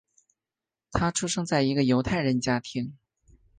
他出生在一个犹太人家庭。